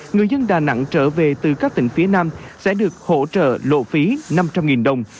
người dân đà nẵng trở về từ các tỉnh phía nam sẽ được hỗ trợ lộ phí năm trăm linh đồng